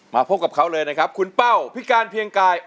พบกับเขาเลยนะครับคุณเป้าพิการเพียงกาย